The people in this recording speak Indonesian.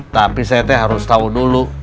tapi setnya harus tau dulu